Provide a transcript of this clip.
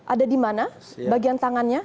ada di mana bagian tangannya